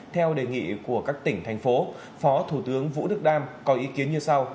theo đề nghị của các tỉnh thành phố phó thủ tướng vũ đức đam có ý kiến như sau